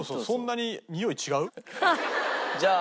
じゃあ。